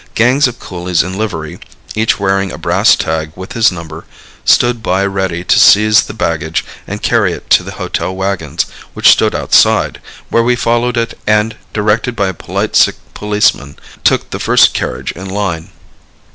Gangs of coolies in livery, each wearing a brass tag with his number, stood by ready to seize the baggage and carry it to the hotel wagons, which stood outside, where we followed it and directed by a polite Sikh policeman, took the first carriage in line.